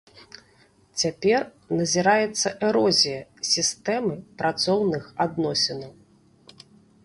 Цяпер назіраецца эрозія сістэмы працоўных адносінаў.